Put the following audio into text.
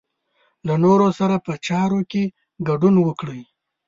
له نورو سره په چارو کې ګډون وکړئ.